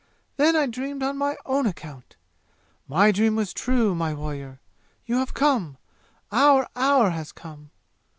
Then I dreamed on my own account! My dream was true, my warrior! You have come! Our hour has come!"